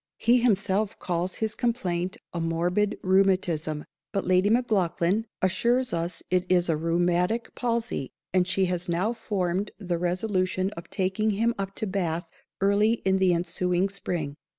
He _himself _calls his complaint a morbid rheumatism; but Lady Maclaughlan assures us it is a rheumatic palsy, and she has now formed the resolution of taking him up to Bath early in the ensuing _spring.